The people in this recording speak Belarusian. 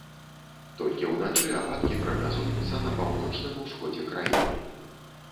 Толькі ўначы ападкі прагназуюцца на паўночным усходзе краіны.